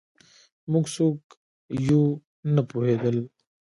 موږ څوک یو نه پوهېدل